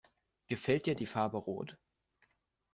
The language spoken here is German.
Gefällt dir die Farbe rot?